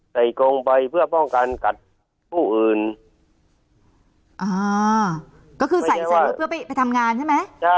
กรงไปเพื่อป้องกันกัดผู้อื่นอ่าก็คือใส่ใส่รถเพื่อไปไปทำงานใช่ไหมใช่